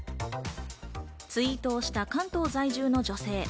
ツイートをした関東在住の女性。